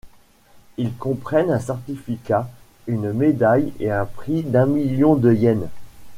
Ils comprennent un certificat, une médaille, et un prix d'un million de yen.